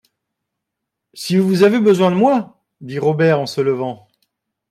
Si vous avez besoin de moi ?… dit Robert en se levant.